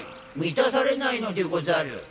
満たされないのでござる。